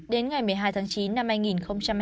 đến ngày một mươi hai tháng chín năm hai nghìn một mươi hai